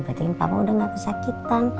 berarti papa udah gak kesakitan